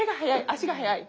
足が早い。